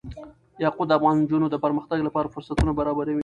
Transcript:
یاقوت د افغان نجونو د پرمختګ لپاره فرصتونه برابروي.